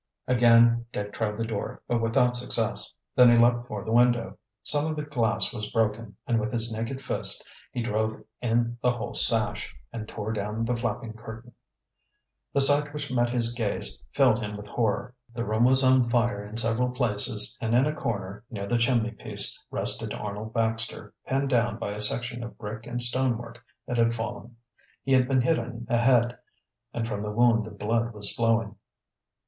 Again Dick tried the door, but without success. Then he leaped for the window. Some of the glass was broken, and with his naked fist he drove in the whole sash, and tore down the flapping curtain. The sight which met his gaze filled him with horror. The room was on fire in several places and in a corner, near the chimney piece, rested Arnold Baxter, pinned down by a section of brick and stonework that had fallen. He had been hit in the head, and from the wound the blood was flowing.